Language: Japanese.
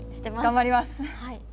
頑張ります！